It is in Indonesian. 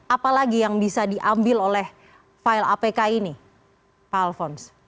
apa lagi yang bisa diambil oleh file apk ini pak alvon